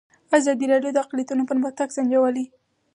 ازادي راډیو د اقلیتونه پرمختګ سنجولی.